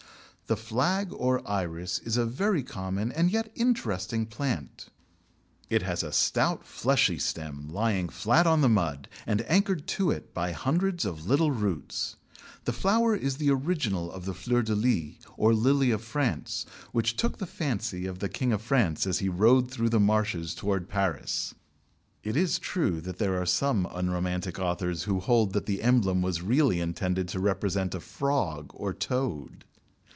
The Flag or Iris is a very common and yet interesting plant. It has a stout, fleshy stem lying flat on the mud, and anchored to it by hundreds of little roots. The flower is the original of the Fleur de lis, or Lily of France, which took the fancy of the King of France as he rode through the marshes towards Paris. (It is true that there are some unromantic authors who hold that the emblem was really intended to represent a frog or toad!)